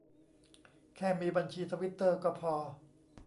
แค่มีบัญชีทวิตเตอร์ก็พอ